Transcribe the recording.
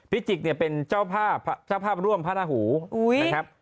จิกเนี่ยเป็นเจ้าภาพเจ้าภาพร่วมพระราหูนะครับ